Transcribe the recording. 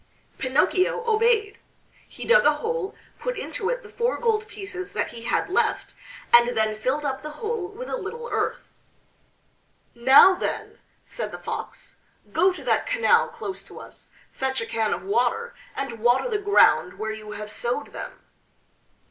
Pinocchio obeyed. He dug a hole, put into it the four gold pieces that he had left, and then filled up the hole with a little earth. "Now, then," said the Fox, "go to that canal close to us, fetch a can of water, and water the ground where you have sowed them."